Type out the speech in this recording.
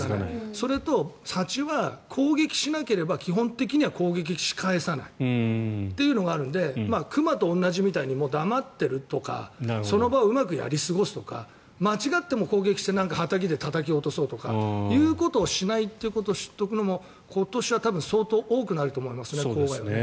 それと蜂は攻撃しなければ基本的には攻撃し返さないというのがあるので熊と同じみたいに黙っているとかその場をうまくやり過ごすとか間違っても攻撃してはたきでたたき落とそうということをしないというのを知っておくのも今年は多分相当多くなると思いますね。